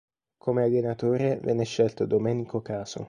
Come allenatore venne scelto Domenico Caso.